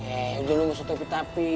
eh udah lo gak usah tepi tapi